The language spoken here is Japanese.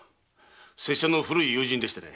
拙者の古い友人でしてね。